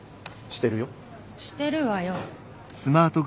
してるわよ。